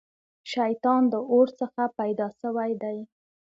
شيطان د اور څخه پيدا سوی دی